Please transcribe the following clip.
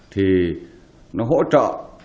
thì nó hỗ trợ